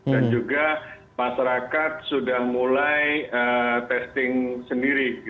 dan juga masyarakat sudah mulai testing sendiri